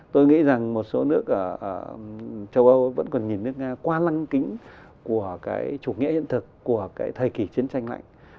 tôi nghĩ rằng một số nước ở châu âu vẫn còn nhìn nước nga qua lăng kính của cái chủ nghĩa hiện thực của cái thời kỳ chiến tranh lạnh